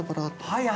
はい。